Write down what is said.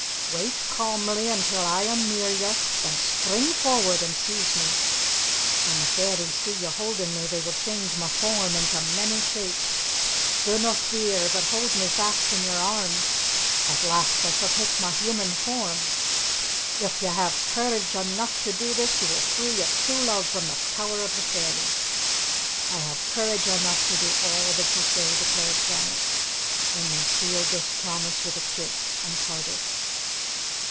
"Wait, calmly, until I am near you, then spring forward and seize me. When the fairies see you holding me they will change my form into many shapes. Do not fear, but hold me fast in your arms. At last I shall take my human form. If you have courage enough to do this, you will free your true love from the power of the fairies." "I have courage enough to do all that you say," declared Janet. Then they sealed this promise with a kiss, and parted.